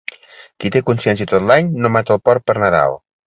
Qui té consciència tot l'any, no mata el porc per Nadal.